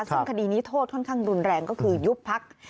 ซึ่งคดีนี้โทษค่อนข้างรุนแรงก็คือยุบพัก